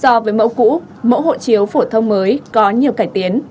so với mẫu cũ mẫu hộ chiếu phổ thông mới có nhiều cải tiến